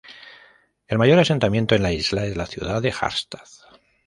El mayor asentamiento en la isla es la ciudad de Harstad.